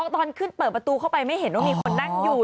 ตอนขึ้นเปิดประตูเข้าไปไม่เห็นว่ามีคนนั่งอยู่